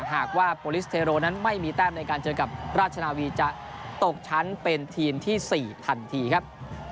หากว่าโปรลิสเทโรนั้นไม่มีแต้มในการเจอกับราชนาวีจะตกชั้นเป็นทีมที่๔ทันทีครับ